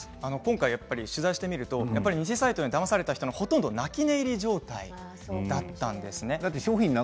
今回、取材してみると偽サイトにだまされる人ほとんどの人は泣き寝入り状態なんです。